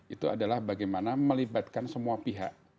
itu adalah bagaimana melibatkan semua pihak